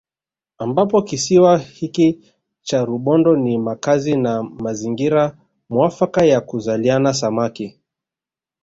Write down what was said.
Ambapo kisiwa hiki cha Rubondo ni makazi na mazingira muafaka ya kuzaliana Samaki